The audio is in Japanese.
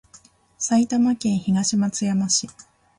埼玉県東松山市